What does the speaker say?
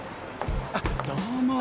あっどうも。